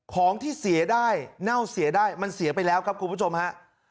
ของที่เสียได้เน่าเสียได้มันเสียไปแล้วครับคุณผู้ชมฮะ